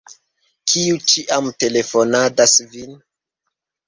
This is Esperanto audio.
Kiu ĉiam telefonadas vin?